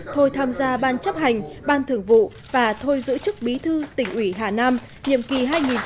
thôi tham gia ban chấp hành ban thưởng vụ và thôi giữ chức bí thư tỉnh ủy hà nam nhiệm kỳ hai nghìn một mươi năm hai nghìn hai mươi